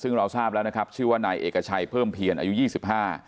ซึ่งเราทราบแล้วนะครับชื่อว่านายเอกชัยเพิ่มเพียรอายุยี่สิบห้า